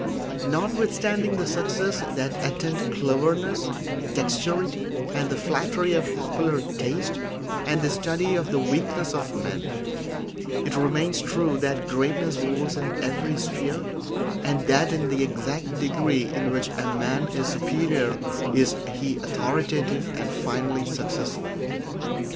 Notwithstanding the successes that attend cleverness and dexterity and the flattery of popular taste and the study of the weaknesses of men, it remains true that greatness rules in every sphere, and that in the exact degree in which a man is superior is he authoritative and finally successful.